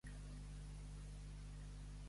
El coll li put a corda.